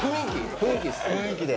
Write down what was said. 雰囲気で。